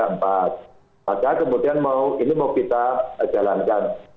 maka kemudian ini mau kita jalankan